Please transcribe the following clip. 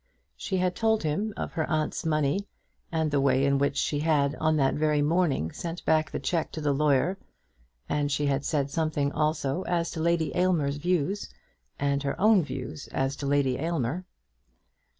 She had told him of her aunt's money, and the way in which she had on that very morning sent back the cheque to the lawyer; and she had said something also as to Lady Aylmer's views, and her own views as to Lady Aylmer.